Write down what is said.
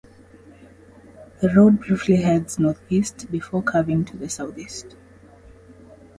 The road briefly heads northeast before curving to the southeast.